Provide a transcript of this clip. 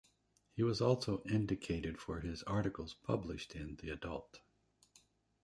He was also indicated for his articles published in "The Adult".